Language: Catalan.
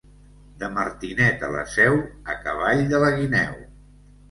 De Martinet a la Seu, a cavall de la guineu.